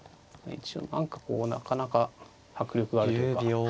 何かこうなかなか迫力があるというか。